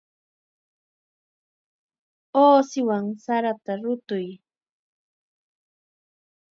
Uusiwan sarata rutuy.